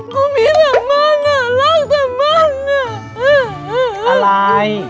กูมีสัญลักษณะหลักสัญลักษณะอะไร